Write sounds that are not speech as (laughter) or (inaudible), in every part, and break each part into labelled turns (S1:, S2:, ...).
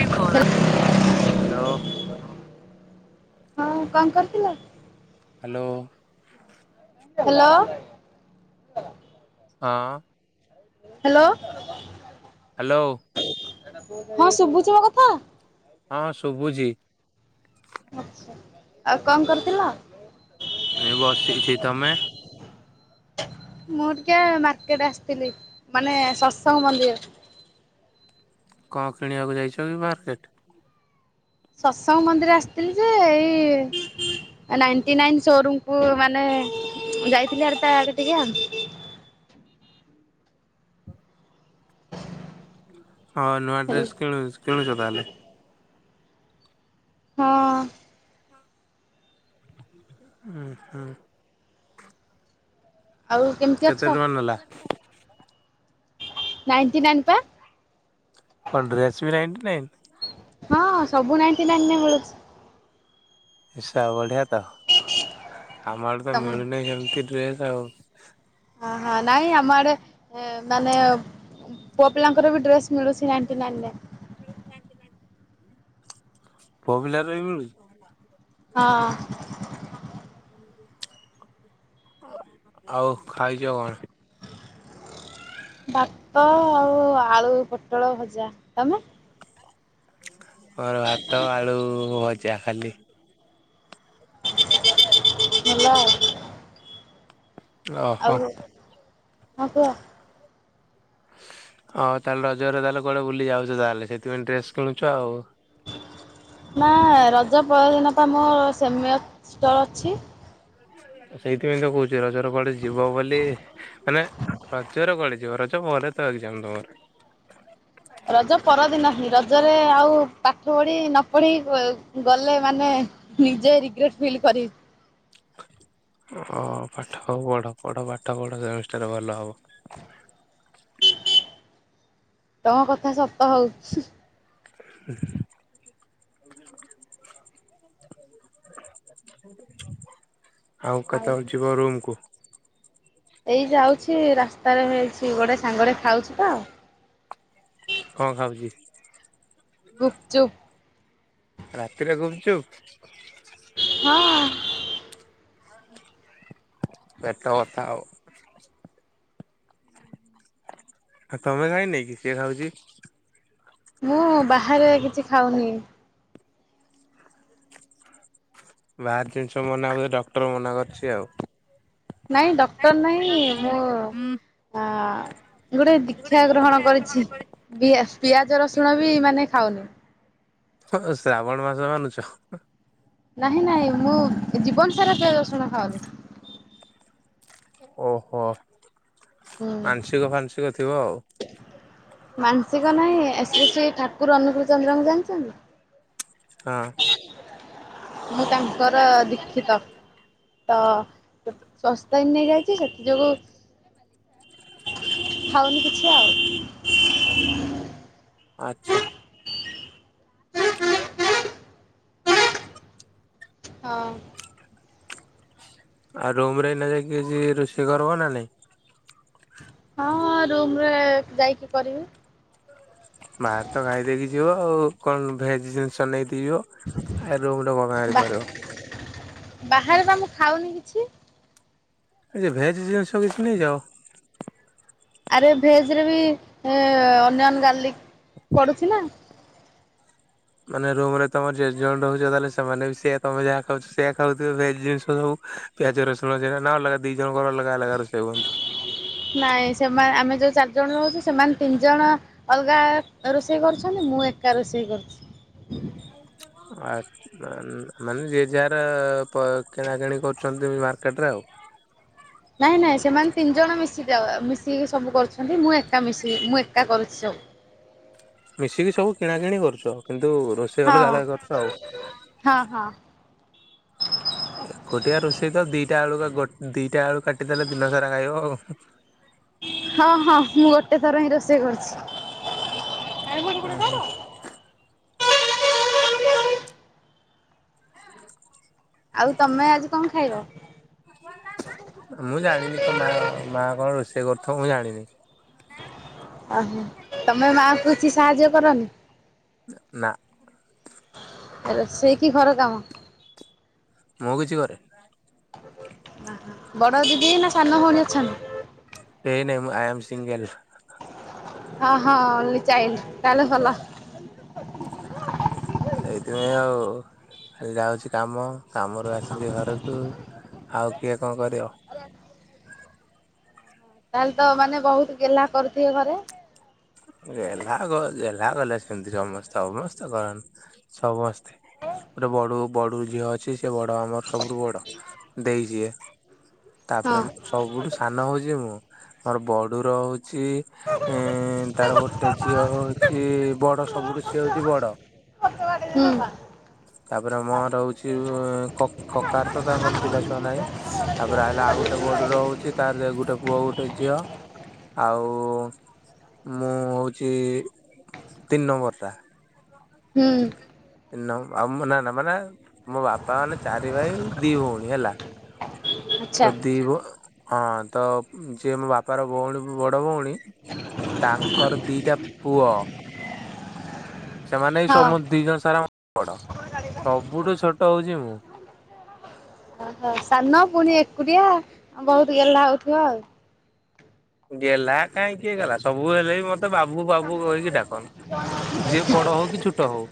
S1: Hello
S2: ହଁ କଣ କରିଥିଲ।
S1: ହ୍ୟାଲୋ।
S2: ହ୍ୟାଲୋ।
S1: ହଁ।
S2: ହ୍ୟାଲୋ।
S1: ହ୍ୟାଲୋ।
S2: ହଁ ଶୁଭୁଛ ମୋ କଥା।
S1: ହଁ ଶୁଭୁଛି (unintelligible)
S2: ଆଛା ଆଉ କଣ କରିଥିଲ।
S1: ଏ ବସ୍ ସେଇ ସେଇ ସିଟ୍ ତମେ -
S2: ମୁଁ ଟିକେ ମାର୍କେଟ ଆସିଥିଲି ମାନେ ସତ୍ ତଙ୍ଗ ମନ୍ଦିର।
S1: କଣ କିଣିବାକୁ ଯାଇଛ କି ମାର୍କେଟ।
S2: ସତସଙ୍ଗ ମନ୍ଦିର ଆସିଥିଲି ଯେ ଏଇ ନାଇଟି ନାଇନ ଶୋରୁମକୁ ମାନେ ଯାଇଥିଲି ହେରି ଆ ତା ଆଡେ ଟିକେ ଆ।
S1: (unintelligible) ହଁ ନୂଆ ଡ୍ରେସ୍ କିଣୁ କିଣୁଛ ତାହେଲେ।
S2: ହଁ।
S1: ହୁଁ ହୁଁ।
S2: ଆଉ କେମିତି
S1: କେତେ
S2: ଅଛ?
S1: ଟଙ୍କା ନେଲା?
S2: ନାଇଣ୍ଟି ନାଇନି ପା।
S1: କଣ ଡ୍ରେସ୍ ବି ନାଇଣ୍ଟି ନାଇନ୍।
S2: ହଁ ସବୁ ନାଇଣ୍ଟି ନାଇନ୍ ରେ ମିଳୁଛି।
S1: ଏସା ବଢିଆ ତ। ଆମ ଆଡ଼େ ତ
S2: ତମ
S1: ମିଳୁନି ସେମିତି ଡ୍ରେସ ଆଉ।
S2: ହଁ ହଁ ନାଇଁ ଆମ ଆଡ଼େ ମାନେ ପୁଅ ପିଲାଙ୍କର ବି ଡ୍ରେସ୍ ମିଳୁଛି ନାଇଣ୍ଟି ନାଇନରେ।
S1: ପୁଅ ପିଲାର ବି ମିଳୁଛି।
S2: ହଁ।
S1: ଆଉ ଖାଇଛ କଣ?
S2: ଭାତ ଆଉ ଆଳୁ ପୋଟଳ ଭଜା ତମେ।
S1: ମୋର ଭାତ ଆଳୁ ଭଜା ଖାଲି।
S2: ଭଲ ଆଉ
S1: (unintelligible)
S2: ଆଉ
S1: ଓହୋ।
S2: ହଁ କୁହ।
S1: ହଁ ତାହେଲେ ରଜରେ ତାହେଲେ କୁଆଡେ ବୁଲି ଯାଉଛ ତାହେଲେ ସେଥିପାଇଁ ଡ୍ରେସ କିଣୁଛ ଆଉ।
S2: (unintelligible) ନା ରଜ ପରଦିନ ମୋ ସମୟ ଷ୍ଟର ଅଛି।
S1: ସେଇଥିପାଇଁ ତ କହୁଛି ରଜର କୁଆଡେ ଯିବ ବୋଲି ମାନେ ରଜରେ କୁଆଡ଼େ ଯିବ ରଜ ପରେ ତ ଏକଜାମ ତମର।
S2: ରଜ ପରଦିନ ରଜରେ ଆଉ ପାଠ ପଢ଼ି ନ ପଢି ଗଲେ ମାନେ ନିଜେ ରିଗ୍ରେଟ ଫିଲ୍ କରିବି-
S1: ହ ପାଠ ପଢ ପଢ ପାଠ ପଢ ସେମିଷ୍ଟାର ଭଲ ହବ।
S2: ତମ କଥା ସତ ହଉ।
S1: (unintelligible) ଆଉ କେତେବେଳେ ଯିବ ରୁମକୁ।
S2: ଏଇ ଯାଉଛି ରାସ୍ତାରେ ହେଇଛି ଗୋଟେ ସାଙ୍ଗଟେ ଖାଉଛି ତ।
S1: କଣ ଖାଉଛି?
S2: ଗୁପଚୁପ।
S1: ରାତିରେ ଗୁପଚୁପ।
S2: ହଁ।
S1: ପେଟ ବଥା ଆଉ। ତମେ ଖାଇନାଇ କି ସିଏ ଖାଉଛି।
S2: ମୁଁ ବାହାରେ କିଛି ଖାଉନି।
S1: ବାହାର ଜିନିଷ ମନା ହଛି ଡକ୍ଟର ମନା କରୁଛି ଆଉ।
S2: ନାଇଁ ଡକ୍ଟ ନାଇଁ ମୁଁ ଆ ଗୋଟେ ଦୀକ୍ଷା ଗ୍ରହଣ କରିଛି ପିଆଜ ରସୁଣ ବି ମାନେ ଖାଉନି।
S1: ହଁ ଶ୍ରାବଣ ମାସ ମାନୁଛ।
S2: ନାହିଁ ନାହିଁ ମୁଁ ଜୀବନ ସାରା ସେ ପିଆଜ ରସୁଣ ଖାଉନି।
S1: ଓହୋ।
S2: ହୁଁ
S1: ମାନସିକ ଫାନସିକ ଥିବ ଆଉ।
S2: ମାନସିକ ନାହିଁ ଏସ ଶ୍ରୀ ଠାକୁର ଅନୁଗ ଚନ୍ଦ୍ରଙ୍କୁ ଜାଣିଛନ୍ତି।
S1: ହଁ।
S2: ମୁଁ ତାଙ୍କର ଦୀକ୍ଷିତ ତ ସସ୍ଥ ହି ନେଇଯାଇଛି ସେଥି ଯୋଗୁ ଖାଉନି କିଛି ଆଉ।
S1: ଆଚ୍ଛା।
S2: ହଁ।
S1: ଆଉ ରୁମ ରେ ନ ଯାଇକି କିଛି ରୋଷେଇ କରିବ ନା ନାଇଁ।
S2: ହଁ ରୁମ ରେ ଯାଇକି କରିବି।
S1: ବାହାର ତ ଖାଇ ଦେଇେକି ଯିବ ଆଉ କଣ ଭେଜ ଜିନିଷ ନେଇ ପିଇବ ଖାଇଦେବ କଣ ଆଣି କରିବ।
S2: ବାହରେବା ମୁଁ ଖାଉନି କିଛି।
S1: ଏ ଯୋଉ ଭେଜ ଜିନିଷ କିଛି ନେଇଯାଅ।
S2: ଆରେ ଭେଜରେ ବି ଏ ଅନିଅନ ଗାର୍ଲିକ ପଡ଼ୁଛି ନା।
S1: ମାନେ ରୁମ ରେ ତମର ଯେତେ ଜଣ ରହୁଛ ତାହେଲେ ସେମାନେ ବି ସେୟା ତମେ ଯାହା ଖାଉଛ ସେୟା ଖାଉଥିବ ଭେଜ ଜିନିଷ ସବୁ ପିଆଜ ରସୁଣ ଯେଗାନା ଅଲଗା ଦି ଜଣଙ୍କର ଅଲଗା ଅଲଗ ରୋଷେଇ ହବ।
S2: ନାଇଁ ସେମାନେ ଆମେ ଯେଉଁ ଚାରିଜଣ ରହୁଛୁ ସେମାନେ ତିନି ଜଣ ଅଲଗା ରୋଷେଇ କରୁଛନ୍ତି ମୁଁ ଏକା ରୋଷେଇ କରୁଛି।
S1: ଆ ମାନେ ଯିଏ ଯାହାର ପ କିଣାକିଣି କରୁଛନ୍ତି ମାର୍କେଟରେ ଆଉ।
S2: ନାଇଁ ନାଇଁ ସେମାନେ ତିନି ଜଣ ମିଶିକି ଅ ମିଶିକି ସବୁ କରୁଛନ୍ତି ମୁଁ ଏକା ମିଶିକି ମୁଁ ଏକା କରୁଛି ସବୁ।
S1: ମିଶିକି ସବୁ କିଣା କିଣି କରୁଛ କିନ୍ତୁ ରୋଷେଇ ଅଲଗା
S2: ହଁ
S1: ଅଲଗା କରୁଛ ଆଉ।
S2: ହଁ ହଁ
S1: ଏକୁଟିଆ ରୋଷେଇ ତ ଦିଟା ଆଳୁ ବ ଗୋ ଦିଟା ଆଳୁ କାଟିଦେଲେ ଦିନସାରା ଖାଇବ ଆଉ।
S2: ହଁ ହଁ ମୁଁ ଗୋଟେ ଥର ହିଁ ରୋଷେଇ କରୁଛି।
S1: ଉୁଁ ହୁଁ
S2: (unintelligible) ଆଉ ତମେ ଆଜି କଣ ଖାଇବ?
S1: ମୁଁ ଜାଣିନି କନ ମା ମା କଣ ରୋଷେ କରୁଥିବା ମୁଁ ଜାଣିନି।
S2: ଓହୋ ତମେ ମାଆଙ୍କୁ କିଛି ସାହାଯ୍ୟ କରନି।
S1: ନା।
S2: ରୋଷେଇ କି ଘର କାମ।
S1: ମୁଁ କିଛି କରେନି।
S2: ବଡ ଦିଦି ନା ସାନ ଭଉଣୀ ଅଛନ୍ତି।
S1: କେଇନାଇ ମୁଁ ଆଇ ଆମ ସିଙ୍ଗଲ।
S2: ହଁ ହଁ ଓନ୍ଲି ଚାଇଲଡ ତାହେଲେ ଭଲ।
S1: ସେଇଥିପାଇଁ ଆଉ ଖାଲି ଯାଉଛି କାମ କାମରୁ ଆସୁଛି ଘରକୁ ଆଉ କିଏ କଣ କରିବ।
S2: ତାହେଲେ ତ ମାନେ ବହୁତ ଗେହ୍ଲା କରୁଥିବେ ଘରେ।
S1: ଗେଲ୍ହା କ ଗେଲ୍ହା କଲେ ସେମତି ସମସ୍ତେ। ସମସ୍ତେ କରନ୍ତି ସମସ୍ତେ ଗୋଟେ ବଡୁ ବଡୁ ଝିଅ ଅଛି ସେ ବଡ ଆମର ସବୁଠୁ ବଡ ଦେଇ ଯିଏ।
S2: ହଁ। ହୁଁ
S1: ତାପରେ ମୁଁ ସବୁଠୁ ସାନ ହଉଛି ମୁଁ। ମୋର ବଡୁର ହଉ ଛି ଏଁ ତାର
S2: ହୁଁ
S1: ଗୋଟେ
S2: ଆଚ୍ଛା
S1: ଝିଅ ହଉଚି ବଡ ସବୁଠୁ ସିଏ ହଉଚି ବଡ- ତାପରେ ଅମହର ହଉଚି କକାର ତ ତାଙ୍କର ପିଲା ଛୁଆ ନାହିଁ ତାପରେ ଆଇଲା ଆଉ ଗୋଟେ ବଡୁର ହହୁଚି ତାର ଗୋଟେ ପୁଅ ଗୋଟେ ଝିଅ ଆଉ- ମୁଁ ହଉଚି ତିନି ନମ୍ବର ଟା
S2: ହୁଁ
S1: ନ ନା ନା ମାନେ ମୋ ବାପା ମାନେ ଚାରି ଭାଇ ଦି ଭଉଣୀ ହେଲା ରାତି ହବ ହଁ ତ ଯିଏ ମୋ ବାପାର ଭଉଣୀ ବଡ ଭଉଣୀ ତାଙ୍କ ଙ୍କର ଦିଇଟା ପୁଅ ସେମାନେ ବି
S2: ହଁ।
S1: ସମୁଁ ଦି ଜଣ ସାରା- ବଡ ସବୁଠୁ ଛୋଟ ହଉଛି ମୁଁ।
S2: ଓହୋ ସାନ ପୁଣି ଏକୁଟିଆ ବହୁତ ଗେହ୍ଲା ହଉଥିବ ଆଉ
S1: ଗେଲ୍ହା କାହିଁ କିିଏ ଗଲା ସବୁ ହେଲେ ବି ମତେ ତେ ବାବୁ ବାବୁ କହିକି ଡାକନ୍ ଯିଏ ବଡ ହଉ କି ଛୁଟ ହଉ।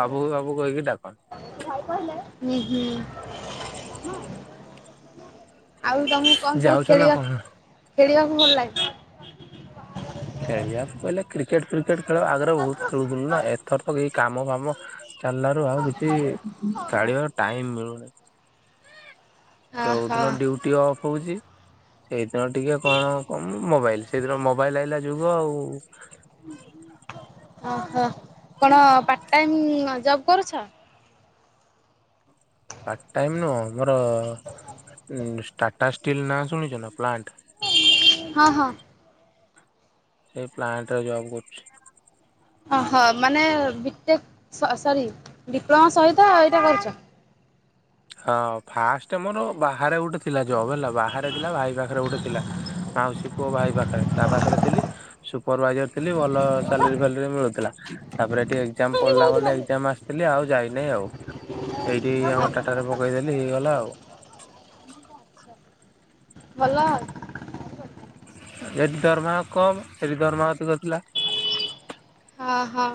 S1: ବାବୁ ବାବୁ କହିକି ଡାକନ୍ତି
S2: ଭାଇ କହିଲେ ନିଁ (inaudible) ଆଉ ତମକୁ କଣ ସବୁ
S1: ଯାଉଛ ନା
S2: ଖେଳିବା
S1: କଣ?
S2: ଖେଳିବାକୁ ଭଲ ଲାଗେ?
S1: ଖେଳିବାକୁ କହିଲେ କ୍ରିକେଟ୍ ଫ୍ରିକେଟ୍ ଖେଳ ଆଗରେ ବହୁତ ଖେଳୁଥିଲୁ ନା ଏଥରକ କେହି କାମ ଫାମ ଚାଲିଲାରୁ ଆଉ କିଛି କାଢ଼ିବାକୁ ଟାଇମ୍ ମିଳୁନି।
S2: ଓହୋ
S1: ଯଉଦିନ ଡ୍ୟୁଟି ଅଫ୍ ହଉଚି ସେଇଦିନ ଟିକେ କଣ କ ମୋବାଇଲ ସେଇଦିନ ମୋବାଇଲ ଆଇଲା ଯୁଗ ଆଉ।
S2: ଓହୋ କଣ ପାର୍ଟ୍ ଟାଇମ୍ ଜବ କରୁଛ?
S1: ପାର୍ଟ୍ ଟାଇମ୍ ନୁହଁ ଆମର ଟାଟାଷ୍ଟିଲ୍ ନାଁ ଶୁଣିଛ ନା ପ୍ଲାଣ୍ଟ୍
S2: ହଁ ହଁ
S1: ସେଇ ପ୍ଲାଣ୍ଟ୍ ରେ ଜବ୍ କରୁଚି।
S2: ହଁ ହଁ ମାନେ ବିଟେକ୍ ସରି ଡିପ୍ଲୋମା ସହିତ ଏଇଟା କରୁଚ?
S1: ହଁ ଫାଷ୍ଟ ଆମର ବାହାରେ ଗୋଟେ ଥିଲା ଜବ୍ ହେଲା ବାହାରେ ଥିଲା ଭାଇ ପାଖରେ ଗୋଟେ ଥିଲା ମାଉସୀ ପୁଅ ଭାଇ ପାଖରେ ତା ପାଖରେ ଥିଲି ସୁପରଭାଇଜର୍ ଥିଲି ଭଲ ସାଲରୀ ଫଲେରୀ ମିଳୁଥିଲା ତାପରେ ଏଠି ଏକ୍ଜାମ୍
S2: ଭଲ
S1: ପଡ଼ିଲା
S2: ଆଉ
S1: ବ
S2: ହଁ
S1: ଏଜାମ ଆସିଥିଲି ଆଉ ଯାଇନାହିଁ ଆଉ ଏଇଠି ଆମର ଟାଟାରେ ପକେଇଦେଲି ହେଇଗଲା ଆଉ।
S2: ଭଲ ଆଉ।
S1: ଏଠି ଦରମା କମ୍ ସେଠି ଦରମା ଅଧିକ ଥିଲା।
S2: ହଁ।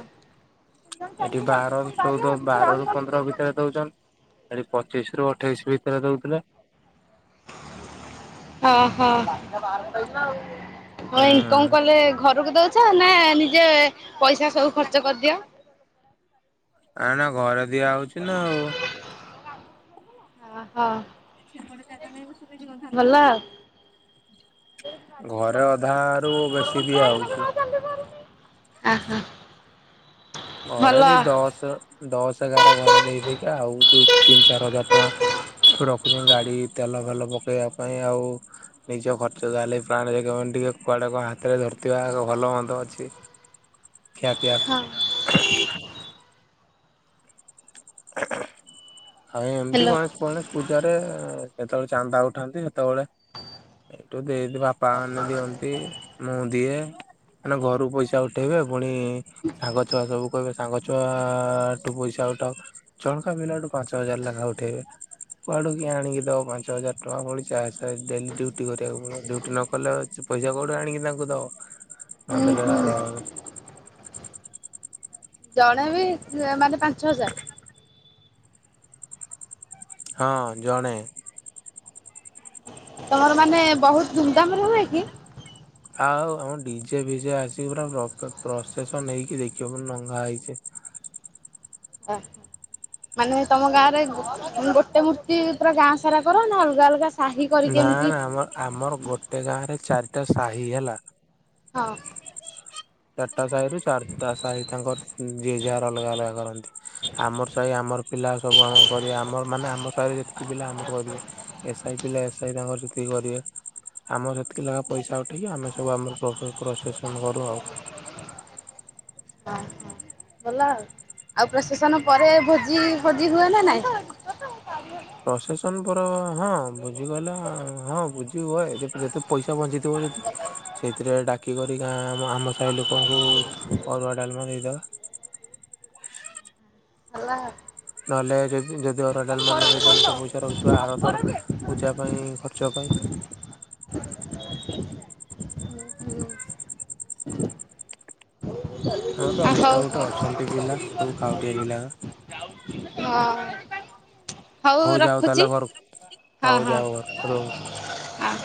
S2: ଓହୋ। ହଁ
S1: ଏଠି ବାର ର ଚଉଦ ବାର ର ପନ୍ଦର ଭିତରେ ଦଉଛନ୍ ଏଠି ପଚିଶ ରୁ ଅଠେଇଶି ଭିତରେ ଦଉଥିଲେ।
S2: ଅ ହ। ହଁ
S1: ହୁଁ।
S2: ଇନକମ୍ କଲେ ଘରକୁ ଦ ଛ ନା ନିଜେ ପଇସା ସବୁ ଖର୍ଚ୍ଚ କରିଦିଅ?
S1: ନା ନା ଘରେ ଦିଆ ହଉଛି ନା ଆଉ।
S2: ଓହୋ ଭଲ ଆଉ।
S1: (unintelligible) ଘରେ ଅଧା ରୁ ବେଶୀ ଦିଆ ହଉଚି।
S2: (unintelligible) ଆ ହ।
S1: ଘରେ ସେଇ ଦଶ ଦଶ ସୋର ଘରେ
S2: ଭଲ।
S1: ଦେଇ ଦେଇେଇକି ଆଉ ଦୁଇ ତିନି ଚାରି ହଜାର୍ ଟଙ୍କା ରଖୁଛନ୍ତି ଗାଡି ତେଲ ଫେଲ ପକେଇବା ପାଇଁ ଆଉ ନିଜ ଖର୍ଚ ଯାଲେ ପ୍ରାଣରେ ଟିକେ କୁଆଡେ ହାତରେ ଧରିଥିବା ଭଲ ମନ୍ଦ ଅଛି ଖିଆ ପିଇବା
S2: ହଁ
S1: ପାଇଁ। ହଁ ଏମିତି
S2: ହ୍ୟାଲୋ
S1: ଗଣେଶ ପଣେଶ ପୂଜ୍ ପୂଜାରେ କେତେବେଳେ ଚାନ୍ଦା ଉଠାନ୍ତି ସେତେବେଳେ ଏଇଠୁ ଦେଇ ବାପା ମାନେ ଦିଅନ୍ତି ମୁଁ ଦିଏ ମାନେ ଘରୁ ପଇସା ଉଠେଇବେ ପୁଣି ସାଙ୍ଗ ଛୁଆ ସବୁ କହିବେ ସାଙ୍ଗ ଛୁଆଠୁ ପଇସା ଉଠାଅ ଜଣକା ପିଲାଠୁ ପାଞ୍ଚ ହଜାର ଲେଖା ଉଠେଇବେ କୁଆଡୁ କିଏ ଆଣିକି ଦବ ପାଞ୍ଚ ହଜାର ଟଙ୍କା ପ ଚାଶହ ଡେଲି ଡୁଟି କରିବାକୁ ପଡିବ ଡୁଟି ନକଲେ ପଇସା କୋଉଠୁ ଆଣିକି ତାଙ୍କୁ ଦବ
S2: ହୁଁ
S1: ନଦେଲେ
S2: ହୁଁ
S1: ରାଉ ରାଉ ହେବେ।
S2: ଜଣେ ବି ମାନେ ପାଞ୍ଚ ହଜାର।
S1: ହଁ ଜଣେ।
S2: ତମର ମାନେ ବହୁତ ଧୁମ୍ ଧାମ୍ ରେ ହୁଏ କି?
S1: ଆଉ ଆମ ଡିଜେ ଫିଜେ ଆସିକି ପୁରା ପ୍ରସେସନ୍ ନେଇଇକି ଦେଖିବ ପ ନଂଘା ହେଇଚି।
S2: ମାନେ ତମ ଗାଁ ରେ ଗୋଟେ ମୂର୍ତ୍ତି ପୁରା ଗାଁ ସାରା କର ନା ଅଲଗା ଅଲଗା ସାହି କରିକି
S1: ନା
S2: ଏମିତି
S1: ନା ଆମ ଆମର ଗୋଟେ ଗାଁ ରେ ଚାରିଟା ସାହି ହେଲା।
S2: ହଁ।
S1: ଚାରିଟା ସାହିରୁ ଚାରିଟା ସାହି ତାଙ୍କର ଯିଏ ଯାହାର ଅଲଗା ଅଲଗା କରନ୍ତି ଆମର ସାହି ଆମର ପିଲା ସବୁ ଆମର କରିବା ଆମ ମାନେ ଆମ ସାହିରେ ଯେତିକି ପିଲା ଆମର କରିବେ ଏ ସାହି ପିଲା ଏ ସାହି ରେ ଆମର ସେତିକି କରିବେ ଆମର ସେତିକି ଲେଖାଁ ପଇସା ଉଠେଇକି ଆମେ ସବୁ ଆମର ପ୍ରସେସନ କରୁ ଆଉ।
S2: ହଁ ଭଲ ଆଉ ଆଉ ପ୍ରଶେସନ ପରେ ଭୋଜି ଫୋଜି ହୁଏ ନା ନାଇଁ?
S1: ପ୍ରଶେସନ ପରେ ହଁ ଭୂଜି କହିଲେ ହଁ ଭୂଜି ହୁଏ ଯେତେ ଯେତେ ପଇସା ବଞ୍ଚିଥିବ ଯଦି ସେଇଥିରେ ଡାକିିକରି ଗାଁ ଆମ ଆମ ସାହି ଲୋକଙ୍କୁ ଅରୁଆ ଡାଲମା ଦେଇଦବା।
S2: ହେଲା
S1: ନହେଲେ ଯଦି ଯଦି ଅରୁଆ ଡାଲମା ନ ଦେଇ ପାରୁଛ ପଇସା ରହିଖିବା ଆରଥର ପୂଜା ପାଇଁ ଖର୍ଚ୍ଚ ପାଇଁ। ଆମର
S2: ହଉ
S1: ଗୋଟେ ଗୋଟେ ଅଛନ୍ତି ପିଲା ସବୁ ଖାଉଟିଆ ପିଲା।
S2: ହଁ।
S1: ହଉ ଯାଉ ତାହଲେ ଘରକୁ
S2: ହଁ
S1: ହଉ
S2: ହଁ
S1: ଯାଉ ଘର ରୁମ୍।
S2: ହଁ।